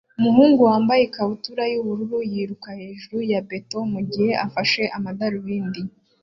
Umuhungu wambaye ikabutura yubururu yiruka hejuru ya beto mugihe afashe amadarubindi